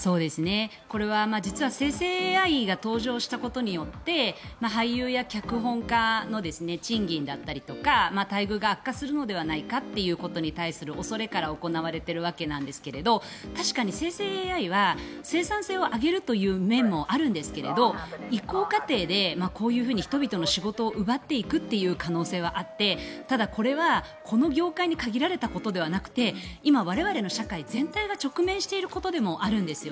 これは実は生成ＡＩが登場したことによって俳優や脚本家の賃金だったりとか待遇が悪化するのではないかということに対する恐れから行われているわけなんですが確かに生成ＡＩは生産性を上げるという面もあるんですが移行過程でこういうふうに人々の仕事を奪っていくという可能性はあってただ、これはこの業界に限られたことではなくて今、我々の社会全体が直面していることでもあるんです。